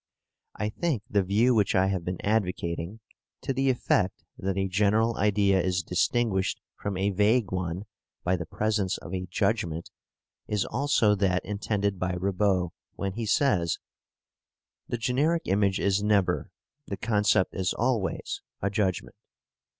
I think the view which I have been advocating, to the effect that a general idea is distinguished from a vague one by the presence of a judgment, is also that intended by Ribot when he says (op. cit., p. 92): "The generic image is never, the concept is always, a judgment.